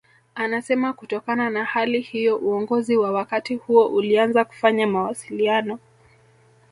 Anasema kutokana na hali hiyo uongozi wa wakati huo ulianza kufanya mawasiliano